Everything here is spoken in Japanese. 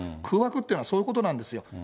空爆っていうのは、そういうことなんですよ。